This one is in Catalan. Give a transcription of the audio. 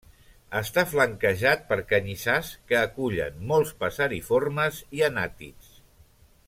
Està flanquejat per canyissars que acullen molts passeriformes i anàtids.